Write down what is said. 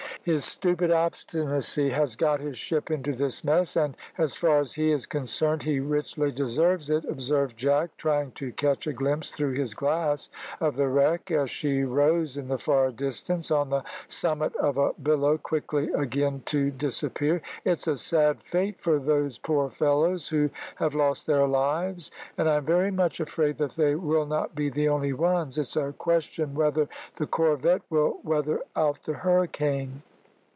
"His stupid obstinacy has got his ship into this mess, and, as far as he is concerned, he richly deserves it," observed Jack, trying to catch a glimpse through his glass of the wreck, as she rose, in the far distance, on the summit of a billow, quickly again to disappear. "It's a sad fate for those poor fellows who have lost their lives, and I am very much afraid that they will not be the only ones. It's a question whether the corvette will weather out the hurricane."